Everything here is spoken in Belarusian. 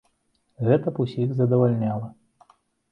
Гэта б усіх задавальняла.